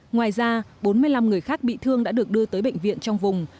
ngoài ra bốn mươi năm người khác bị thương đã được đưa tới bệnh viện trong vùng